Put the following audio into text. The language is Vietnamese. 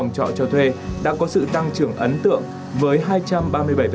trọ cho thuê đã có sự tăng trưởng ấn tượng với hai trăm ba mươi bảy